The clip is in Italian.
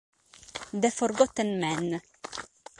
The Forgotten Man